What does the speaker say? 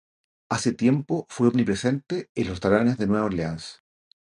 Hace tiempo fue omnipresente en los restaurantes de Nueva Orleans.